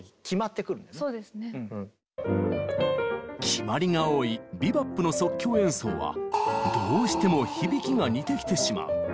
決まりが多い「ビバップ」の即興演奏はどうしても響きが似てきてしまう。